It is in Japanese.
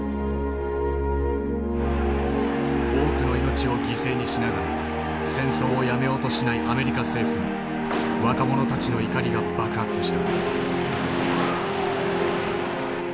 多くの命を犠牲にしながら戦争をやめようとしないアメリカ政府に若者たちの怒りが爆発した。